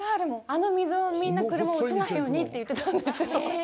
あの溝、みんな車落ちないようにって言ってたんですよ。